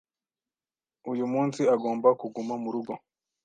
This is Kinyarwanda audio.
Uyu munsi agomba kuguma murugo?